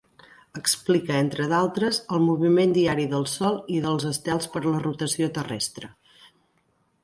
Explica, entre d'altres, el moviment diari del Sol i dels estels per la rotació terrestre.